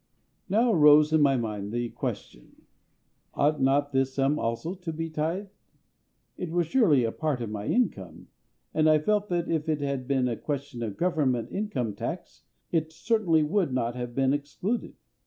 Now arose in my mind the question, Ought not this sum also to be tithed? It was surely a part of my income, and I felt that if it had been a question of Government income tax it certainly would not have been excluded.